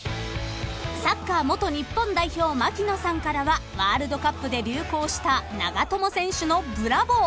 ［サッカー元日本代表槙野さんからはワールドカップで流行した長友選手の「ブラボー！」